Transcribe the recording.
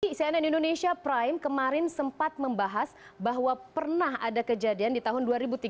di cnn indonesia prime kemarin sempat membahas bahwa pernah ada kejadian di tahun dua ribu tiga belas